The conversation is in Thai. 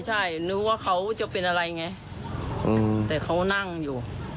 ใช่นึกว่าเขาจะเป็นอะไรไงแต่เขานั่งอยู่